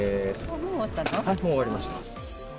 もう終わりました。